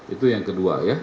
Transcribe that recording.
itu yang kedua ya